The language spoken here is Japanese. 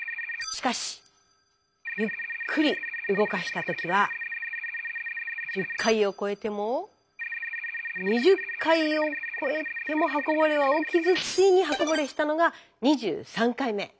しかしゆっくり動かした時は１０回を超えても２０回を超えても刃こぼれは起きずついに刃こぼれしたのが２３回目。